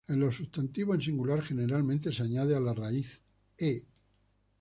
En los sustantivos en singular, generalmente se añade a la raíz -е.